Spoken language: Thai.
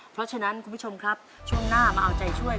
เพราะฉะนั้นคุณผู้ชมครับช่วงหน้ามาเอาใจช่วย